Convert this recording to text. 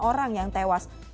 orang yang tewas